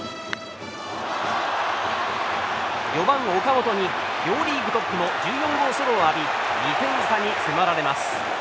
４番、岡本に両リーグトップの１４号ソロを浴び２点差に迫られます。